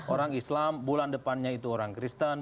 orang islam bulan depannya itu orang kristen